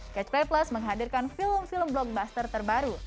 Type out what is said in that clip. catch play plus menghadirkan film film blockbuster terbaru